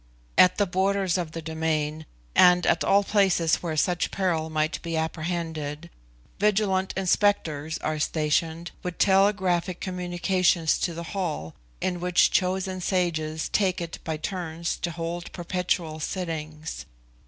At the borders of the domain, and at all places where such peril might be apprehended, vigilant inspectors are stationed with telegraphic communications to the hall in which chosen sages take it by turns to hold perpetual sittings.